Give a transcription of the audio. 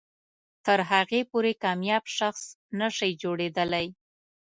تر هغې پورې کامیاب شخص نه شئ جوړېدلی.